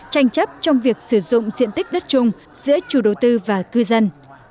tranh chấp trong việc sử dụng diện tích đất chung giữa chủ đầu tư và cư dân